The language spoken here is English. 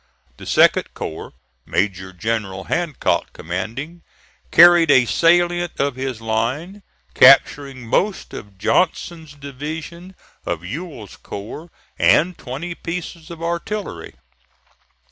The second corps, Major General Hancock commanding, carried a salient of his line, capturing most of Johnson's division of Ewell's corps and twenty pieces of artillery.